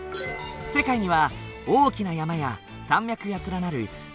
世界には大きな山や山脈が連なる造山帯が２つある。